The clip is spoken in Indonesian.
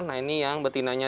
nah ini yang betinanya